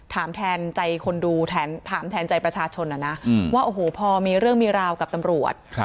ถามแทนใจคนดูถามแทนใจประชาชนนะนะว่าโอ้โหพอมีเรื่องมีราวกับตำรวจ